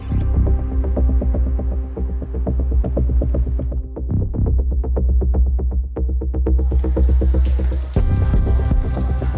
pemilu dengan sistem proporsional tertutup